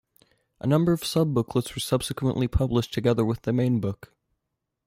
A number of sub-booklets were subsequently published together with the main book.